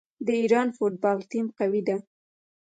د ایران فوټبال ټیم قوي دی.